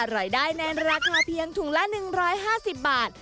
รายได้ในราคาเพียงถุงละ๑๕๐บาท